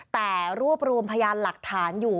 แต่รวบรวมพยานหลักฐานอยู่